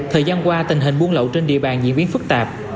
thời gian qua tình hình buôn lậu trên địa bàn diễn biến phức tạp